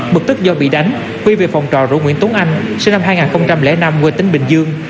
bực tức do bị đánh huy về phòng trò rửa nguyễn tuấn anh sinh năm hai nghìn năm quê tỉnh bình dương